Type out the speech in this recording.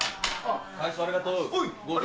大将ありがとう。